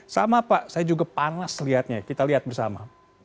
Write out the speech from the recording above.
sama pak saya juga panas lihatnya kita lihat bersama